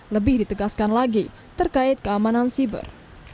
lebih ditegaskan lagi terkait keamanan siber